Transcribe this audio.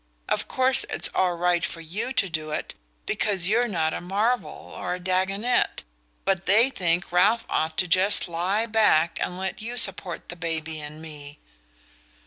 Of course it's all right for YOU to do it, because you're not a Marvell or a Dagonet; but they think Ralph ought to just lie back and let you support the baby and me."